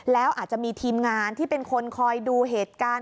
แล้วอาจจะมีทีมงานที่เป็นคนคอยดูเหตุการณ์